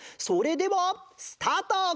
それではスタート！